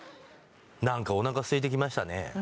何かおなかすいてきましたね